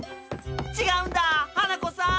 ちがうんだはなこさん！